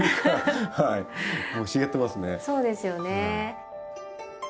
そうですよね。